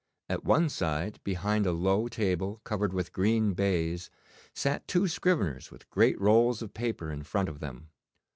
At one side behind a low table covered with green baize sat two scriveners with great rolls of paper in front of them.